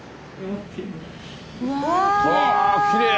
うわきれい。